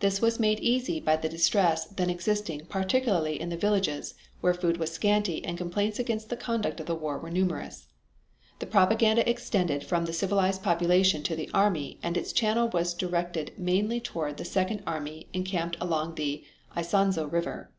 This was made easy by the distress then existing particularly in the villages where food was scanty and complaints against the conduct of the war were numerous. The propaganda extended from the civilian population to the army, and its channel was directed mainly toward the second army encamped along the Isonzo River.